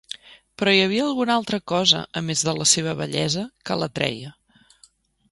Però hi havia alguna altra cosa a més de la seva bellesa que l'atreia.